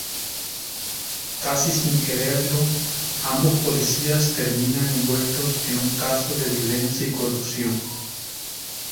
Casi sin quererlo, ambos policías terminan envueltos en un caso de violencia y corrupción.